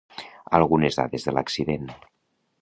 Algunes dades de l'accident